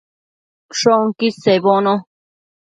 Shoquid sebono